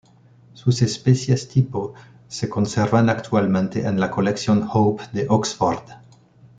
Sus "especies tipo" se conservan actualmente en la "colección Hope de Oxford".